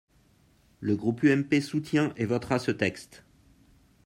Le groupe UMP soutient et votera ce texte.